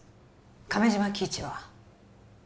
亀島喜一は？